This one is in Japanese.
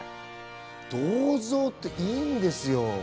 銅像っていいんですよ。